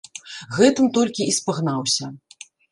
Гэтым толькі і спагнаўся.